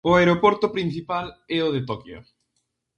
O aeroporto principal é o de Toquio.